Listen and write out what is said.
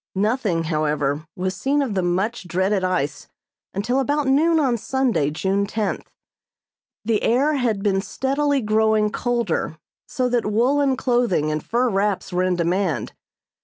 Nothing, however, was seen of the much dreaded ice until about noon on Sunday, June tenth. The air had been steadily growing colder so that woolen clothing and fur wraps were in demand.